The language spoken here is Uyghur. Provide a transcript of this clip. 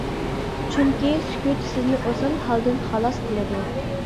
چۈنكى، سۈكۈت سىزنى ئوسال ھالدىن خالاس قىلىدۇ.